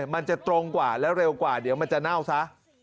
โดยเวลามันจะตรงกว่ามันก็จะน่าวซะ